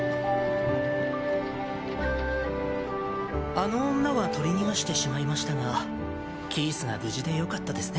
あの女は取り逃がしてしまいましたがキースが無事でよかったですね。